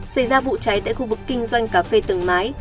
xảy ra vụ cháy tại khu vực kinh doanh cà phê tầng mái